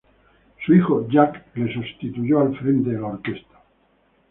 Su hijo Jack le sustituyó al frente de la orquesta.